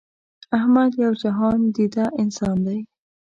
احمد یو جهان دیده انسان دی.